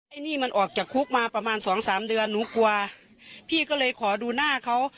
ไอ้นี่มันออกจากคุกมาประมาณสองสามเดือนหนูกลัวพี่ก็เลยขอดูหน้าเขา